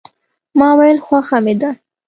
ما ویل خوښه مې ده.